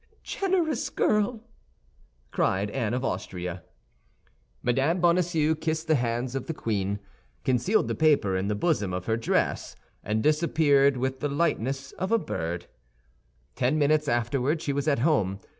"Generous girl!" cried Anne of Austria. Mme. Bonacieux kissed the hands of the queen, concealed the paper in the bosom of her dress, and disappeared with the lightness of a bird. Ten minutes afterward she was at home.